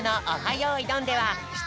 よいどん」ではしゅ